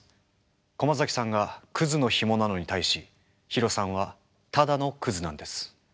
駒崎さんがクズのヒモなのに対しヒロさんはただのクズなんです。